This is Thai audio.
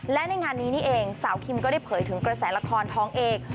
และในงานนี้นี่เองสาวคิมก็ได้เผยถึงกระแสละครท้องเอก